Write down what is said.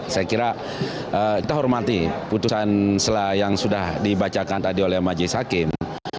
saya kira kita hormati putusan yang sudah dibacakan tadi oleh majlis hakim